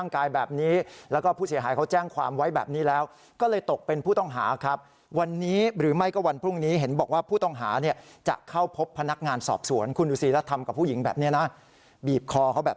กับผู้หญิงแบบนี้นะบีบคอเขาแบบนี้นะครับ